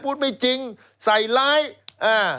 พูดไม่จริงใส่ไลน์